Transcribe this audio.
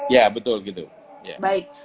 ya betul gitu